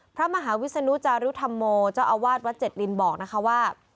พระมหาวิศนุจารุธรรมโมเจ้าอาวาสวัดเจ็ดลินบอกนะคะว่า